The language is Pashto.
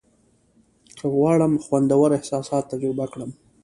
که غواړم خوندور احساسات تجربه کړم.